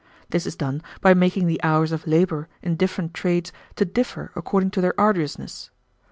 This is done by making the hours of labor in different trades to differ according to their arduousness.